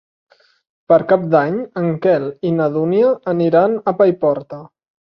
Per Cap d'Any en Quel i na Dúnia aniran a Paiporta.